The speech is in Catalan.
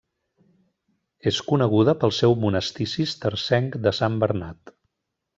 És coneguda pel seu monestir cistercenc de Sant Bernat.